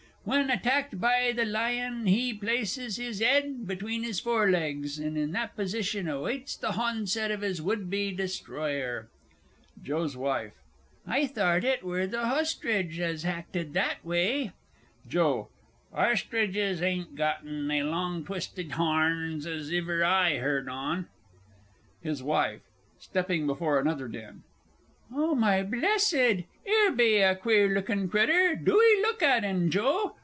When hattacked by the Lion, he places his 'ed between his fore legs, and in that position awaits the honset of his would be destroyer. JOE'S WIFE. I thart it wur th' hostridge as hacted that away. JOE. Ostridges ain't gotten they long twisted harns as iver I heard on. HIS WIFE (stopping before another den). Oh, my blessed! 'Ere be a queer lookin' critter, do 'ee look at 'en, Joe.